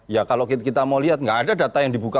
ya kalau kita mau lihat nggak ada data yang dibuka